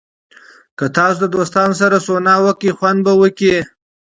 که تاسو له دوستانو سره سونا وکړئ، خوند زیاتېږي.